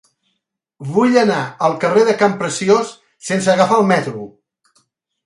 Vull anar al carrer de Campreciós sense agafar el metro.